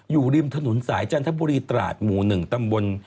อยู่ริมถนนสายจันทบุรีตราดหมู่๑ตำบล